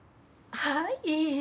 はい。